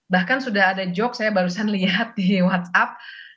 bahkan sudah ada joke saya barusan lihat di whatsapp